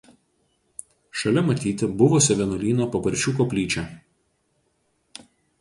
Šalia matyti buvusio vienuolyno Paparčių koplyčia.